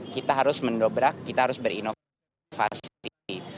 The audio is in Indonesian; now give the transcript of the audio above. kita harus mendobrak kita harus berinovasi